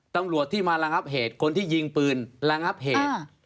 ตำรวจที่มาระงับเหตุคนที่ยิงปืนระงับเหตุ